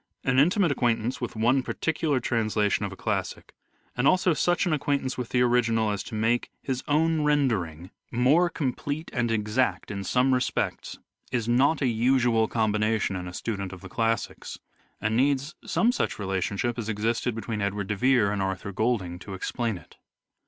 An intimate acquaintance with one particular translation of a classic, and also such an acquaintance with the original as to make his own rendering more 238 "SHAKESPEARE" IDENTIFIED DC Vere and Golding. Oxford and Law. complete and exact in some respects is not a usual combination in a student of the classics, and needs some such relationship as existed between Edward de Vere and Arthur Golding to explain it.